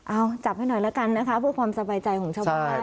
เอาจับให้หน่อยละกันนะคะเพื่อความสบายใจของชาวบ้าน